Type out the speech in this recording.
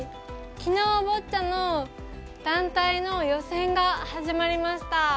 きのうボッチャの団体の予選が始まりました。